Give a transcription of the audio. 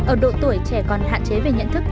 ở độ tuổi trẻ còn hạn chế về nhận thức